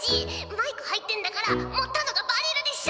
マイク入ってんだから盛ったのがバレるでしょ！」。